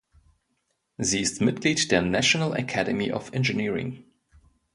Sie ist Mitglied der National Academy of Engineering.